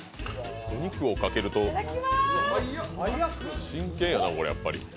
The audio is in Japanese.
お肉をかけると真剣やなこれ、やっぱり。